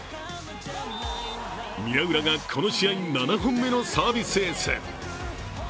宮浦がこの試合７本目のサービスエース。